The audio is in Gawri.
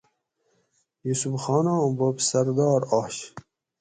یوسف خاناں بوب سردار آش